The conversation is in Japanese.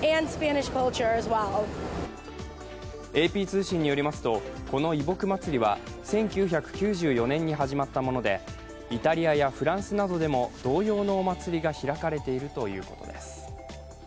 ＡＰ通信によりますとこの移牧祭りは１９９４年に始まったもので、イタリアやフランスなどでも同様のお祭りが開かれているということです。